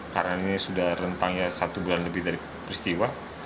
karena ini sudah rentangnya satu bulan lebih dari peristiwa